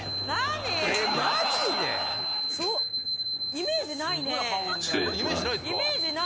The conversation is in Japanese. イメージないね。